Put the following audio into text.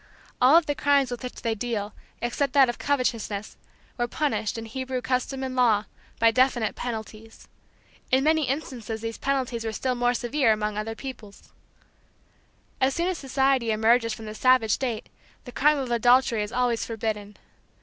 All of the crimes with which they deal, except that of covetousness, were punished, in Hebrew custom and law, by definite penalties. In many instances these penalties were still more severe among other early peoples. As soon as society emerges from the savage state, the crime of adultery is always forbidden.